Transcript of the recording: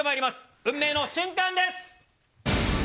運命の瞬間です。